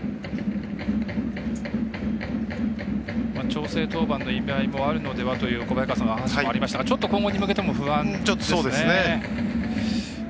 調整登板の意味合いもあるのではという小早川さんのお話がありましたが今後に向けて少し不安ですね。